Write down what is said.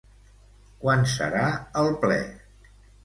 Quan serà el ple?